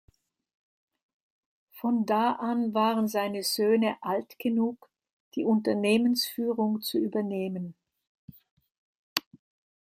Von da an waren seine Söhne alt genug die Unternehmensführung zu übernehmen.